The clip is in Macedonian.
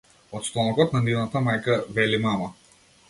Од стомакот на нивната мајка, вели мама.